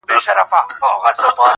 زه ومه ويده اكثر_